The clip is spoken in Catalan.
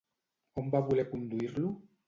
On va voler conduir-lo?